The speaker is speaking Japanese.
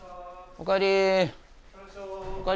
おかえり。